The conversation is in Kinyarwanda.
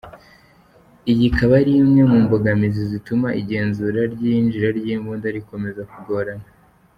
Iyi ikaba ari imwe mu mbogamizi zituma igenzura ry’iyinjira ry’imbunda rikomeza kugorana.